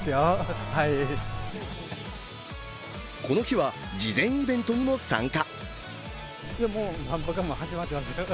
この日は事前イベントにも参加。